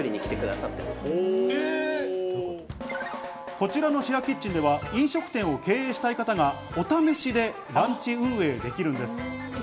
さらに施設の中には。こちらのシェアキッチンでは飲食店を経営したい方がお試しでランチ運営できるんです。